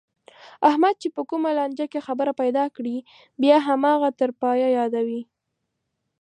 احمد چې په کومه لانجه کې خبره پیدا کړي، بیا هماغه تر پایه یادوي.